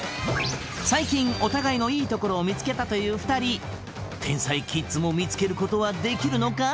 最近お互いのいいところを見つけたという２人天才キッズも見つけることはできるのか？